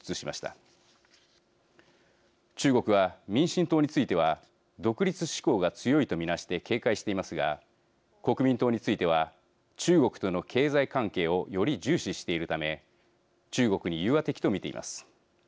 中国は民進党については独立志向が強いと見なして警戒していますが国民党については中国との経済関係をより重視しているため中国に融和的と見ています。